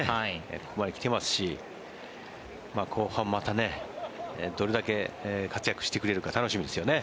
ここまで来てますし後半またどれだけ活躍してくれるか楽しみですよね。